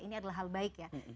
ini adalah hal baik ya